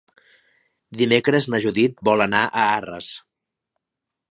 Dimecres na Judit vol anar a Arres.